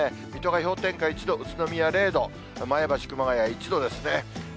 水戸が氷点下１度、宇都宮０度、前橋、熊谷、１度ですね。